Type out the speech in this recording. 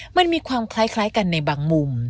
มันมีความคล้ายกันในบางมุม